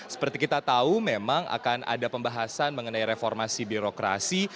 seperti kita tahu memang akan ada pembahasan mengenai reformasi birokrasi